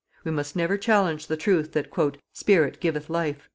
We must never challenge the truth that "spirit giveth life."